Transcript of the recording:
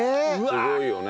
すごいよね。